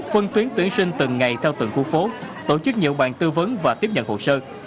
phân tuyến tuyển sinh từng ngày theo từng khu phố tổ chức nhiều bàn tư vấn và tiếp nhận hồ sơ